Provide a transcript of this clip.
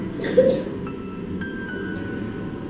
สวัสดีครับ